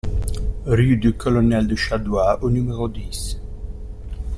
Rue du Colonel de Chadois au numéro dix